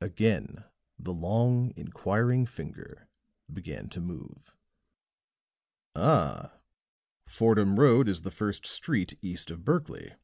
Again the long, inquiring finger began to move. "Ah! Fordham Road is the first street east of Berkley."